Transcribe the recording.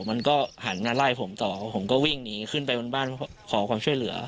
มันก็หันมาไล่ผมต่อผมก็วิ่งหนีขึ้นไปบนบ้านขอความช่วยเหลือ